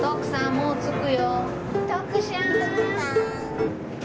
もう着く？